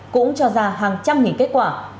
cũng cho ra hàng trăm nghìn kết quả